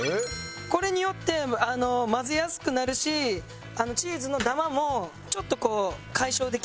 これによって混ぜやすくなるしチーズのダマもちょっとこう解消できます。